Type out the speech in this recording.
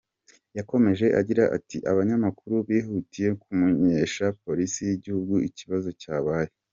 Yakomeje agira ati “Abanyamakuru bihutiye kumenyesha Polisi y’igihugu ikibazo cyabaye.